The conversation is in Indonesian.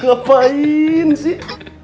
kamu ngapain sih